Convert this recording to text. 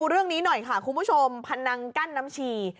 เรื่องนี้หน่อยค่ะคุณผู้ชมพนังกั้นน้ำชี